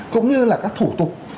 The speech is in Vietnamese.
cũng như là các thủ tục